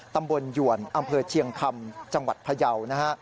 ตำบลหยวนอำเภอเชียงคำจังหวัดพะเยานะฮะ